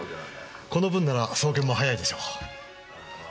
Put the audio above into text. この分なら送検も早いでしょう。